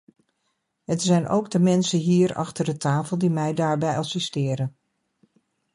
Het zijn ook de mensen hier achter de tafel die mij daarbij assisteren.